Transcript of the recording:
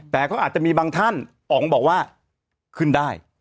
แต่ก็อาจจะมีบางท่านออกมาบอกว่าขึ้นได้